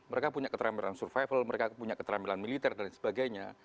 mereka punya keterampilan survival mereka punya keterampilan militer dan sebagainya